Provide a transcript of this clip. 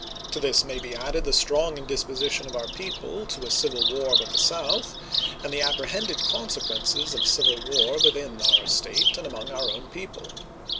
To this may be added the strong indisposition of our people to a civil war with the South, and the apprehended consequences of a civil war within our State and among our own people.